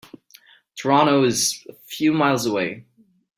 Toronto is a few miles away.